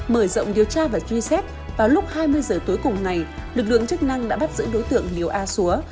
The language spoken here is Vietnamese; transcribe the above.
mở rộng điều tra và truy xét vào lúc hai mươi giờ tối cùng ngày lực lượng chức năng đã bắt giữ đối tượng liều a xúa